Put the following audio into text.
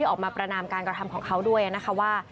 ออกมาประนามการกระทำของเขาด้วยนะคะว่า